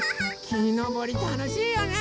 きのぼりたのしいよね！